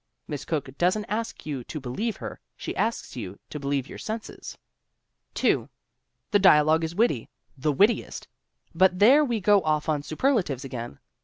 Miss Cooke doesn't ask you to believe her, she asks you to believe your senses ! 2. The dialogue is witty the wittiest but there we go off on superlatives again.